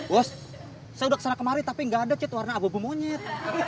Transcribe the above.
bos saya udah kesana kemarin tapi nggak ada cat warna abu abu monyet